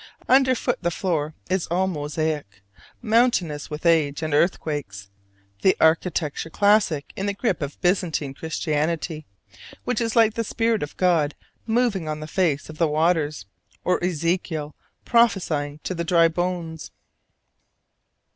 Underfoot the floor is all mosaic, mountainous with age and earthquakes; the architecture classic in the grip of Byzantine Christianity, which is like the spirit of God moving on the face of the waters, or Ezekiel prophesying to the dry bones.